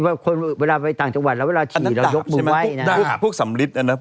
เวลาไปต่างจังหวัดเทียงเรายกมัวไว้นะ